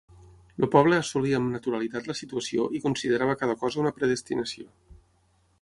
El poble assolia amb naturalitat la situació i considerava cada cosa una predestinació.